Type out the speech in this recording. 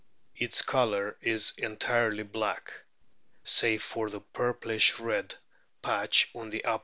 Its colour is entirely black, save for a purplish red patch on the upper * Proc.